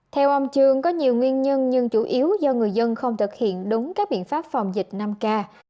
theo ông trương có nhiều nguyên nhân nhưng chủ yếu do người dân không thực hiện đúng các biện pháp phòng dịch năm k